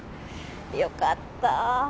良かった。